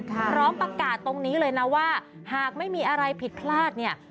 พร้อมประกาศตรงนี้เลยนะว่าหากไม่มีอะไรผิดพลาดเนี่ย